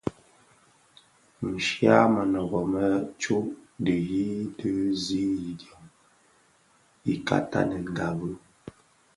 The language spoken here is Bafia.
Nshya mënöbö më tsô dhiyis di zi idyom ika tanèngabi.